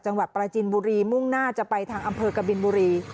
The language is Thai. ปราจินบุรีมุ่งหน้าจะไปทางอำเภอกบินบุรี